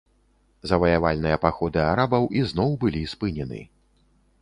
Заваявальныя паходы арабаў ізноў былі спынены.